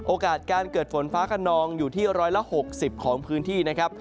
โอกาสการเกิดฝนฟ้าขนองอยู่ที่๑๖๐ของพื้นที่นะครับ